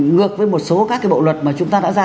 ngược với một số các bộ luật mà chúng ta đã ra